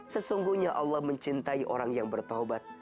sesungguhnya allah mencintai orang yang bertaubat